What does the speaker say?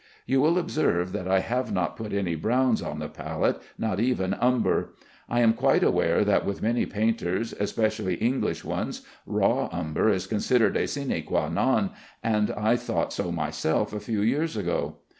You will observe that I have not put any brown on the palette, not even umber. I am quite aware that with many painters, especially English ones, raw umber is considered a sine quâ non, and I thought so myself a few years ago.